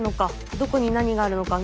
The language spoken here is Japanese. どこに何があるのかね。